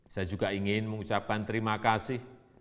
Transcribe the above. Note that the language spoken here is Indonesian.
saya juga ingin mengucapkan terima kasih